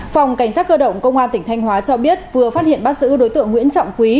phòng cảnh sát cơ động công an tỉnh thanh hóa cho biết vừa phát hiện bắt giữ đối tượng nguyễn trọng quý